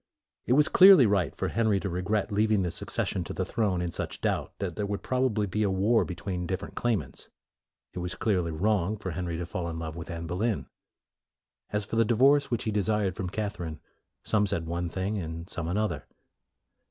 It was clearly right for Henry to regret leaving the succession to the throne in such doubt that there would probably be a war between different claimants. It was clearly wrong for Henry to fall in love with Anne Boleyn. As for the divorce which he desired from Catherine, some said one thing, and some another.